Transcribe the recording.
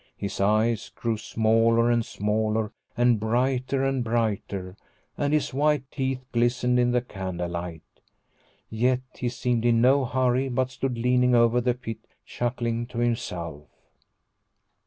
His eyes grew smaller and smaller and brighter and brighter, and his white teeth glistened in the candle light. Yet he seemed in no hurry, but stood leaning over the pit chuckling to himself.